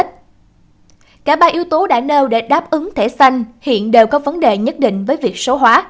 cả ba yếu tố đã nêu để đáp ứng thẻ xanh hiện đều có vấn đề nhất định với việc số hóa